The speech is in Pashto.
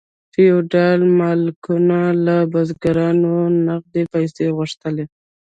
فیوډال مالکانو له بزګرانو نغدې پیسې غوښتلې.